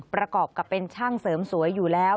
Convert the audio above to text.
ประกอบกับเป็นช่างเสริมสวยอยู่แล้ว